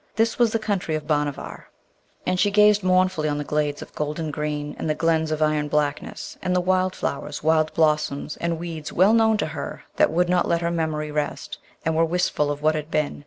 This was the country of Bhanavar, and she gazed mournfully on the glades of golden green and the glens of iron blackness, and the wild flowers, wild blossoms, and weeds well known to her that would not let her memory rest, and were wistful of what had been.